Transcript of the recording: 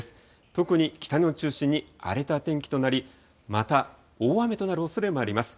特に北日本中心に荒れた天気となり、また大雨となるおそれもあります。